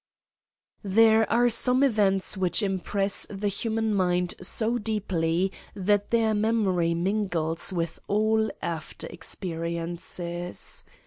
There are some events which impress the human mind so deeply that their memory mingles with all after experiences.